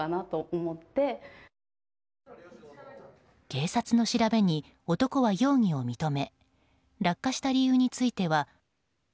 警察の調べに、男は容疑を認め落下した理由については。